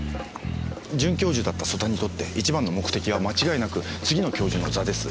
准教授だった曽田にとって一番の目的は間違いなく次の教授の座です。